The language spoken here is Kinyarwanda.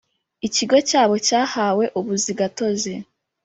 Ikigo cyabo cyahawe ubuzi gatozi